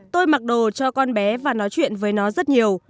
tôi mặc đồ cho con bé và nói chuyện với nó rất nhiều